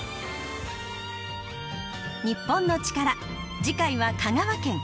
『日本のチカラ』次回は香川県。